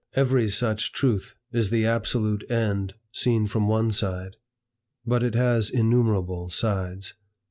Every such truth is the absolute Ens seen from one side. But it has innumerable sides.